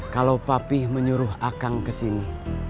kalau papih menyuruh akang kesini